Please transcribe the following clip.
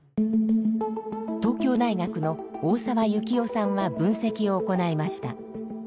東京大学の大澤幸生さんは分析を行いました。